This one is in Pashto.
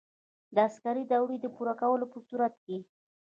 د عسکري دورې د پوره کولو په صورت کې.